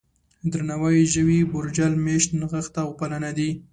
درناوی، ژوي، بورجل، مېشت، نغښته او پالنه دي.